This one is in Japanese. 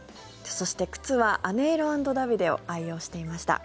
そして、靴はアネーロ＆ダビデを愛用していました。